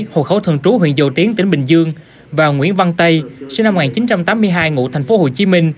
hồ khẩu thường trú huyện dầu tiến tỉnh bình dương và nguyễn văn tây sinh năm một nghìn chín trăm tám mươi hai ngụ tp hcm